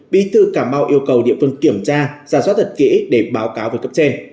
bí thư cà mau yêu cầu địa phương kiểm tra giả soát thật kỹ để báo cáo về cấp trên